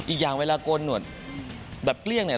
อีกอย่างเวลาโกนหนวดแบบเกลี้ยงเนี่ย